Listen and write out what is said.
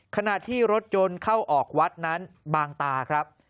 ขณะที่รถยนต์เข้าออกวัดนั้นบางตาครับ